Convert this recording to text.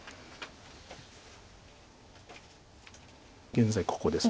現在ここです。